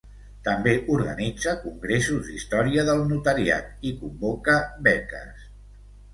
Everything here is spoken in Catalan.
També organitza Congressos d'història del notariat i convoca beques.